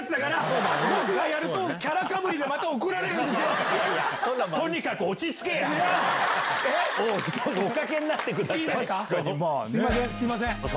すいません。